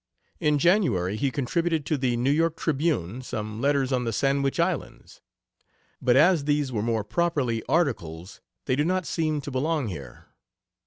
In January he contributed to the New York Tribune some letters on the Sandwich Islands, but as these were more properly articles they do not seem to belong here.